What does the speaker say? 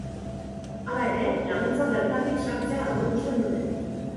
Hala ere, laguntza bertatik sartzea aurreikusten dute.